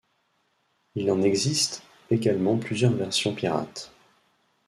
Il en existe également plusieurs versions pirates.